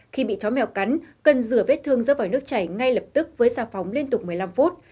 khi bị chó mèo cắn cần rửa vết thương do vòi nước chảy ngay lập tức với xà phòng liên tục một mươi năm phút